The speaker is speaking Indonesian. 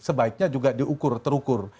sebaiknya juga diukur terukur